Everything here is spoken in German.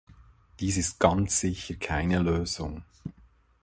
Dies ist ganz sicher keine Lösung.